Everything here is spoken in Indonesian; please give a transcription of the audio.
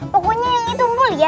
pokoknya yang itu mbul ya